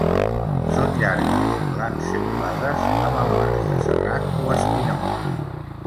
Són llargues, lanceolades, amb el marge serrat o espinós.